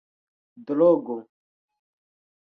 drogo